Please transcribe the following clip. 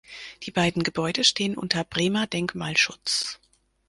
Die beiden Gebäude stehen unter Bremer Denkmalschutz.